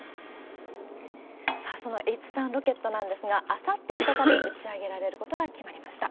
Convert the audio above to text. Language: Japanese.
さあ、そのＨ３ロケットなんですが、あさって、再び打ち上げられることが決まりました。